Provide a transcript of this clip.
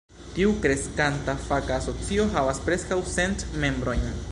Tiu kreskanta faka asocio havas preskaŭ cent membrojn.